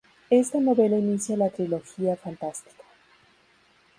Esta novela inicia la "trilogía fantástica".